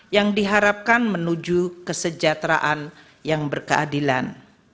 yang diharapkan menuju kesejahteraan yang berkeadilan